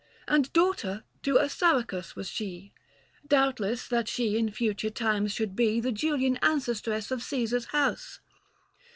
And daughter to Assaracus was she, 135 Doubtless that she in future times should be The Julian ancestress of Caesar's house.